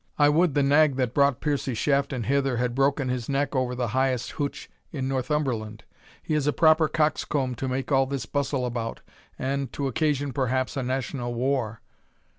I would the nag that brought Piercie Shafton hither had broken his neck over the highest heuch in Northumberland! He is a proper coxcomb to make all this bustle about, and to occasion perhaps a national war!"